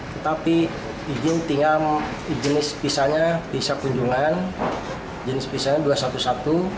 tetapi izin tinggal jenis pisa kunjungan jenis pisa dua ratus sebelas